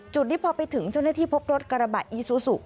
จุดนี้พอไปถึงเจ้าหน้าที่พบรถกระบะอีซูซู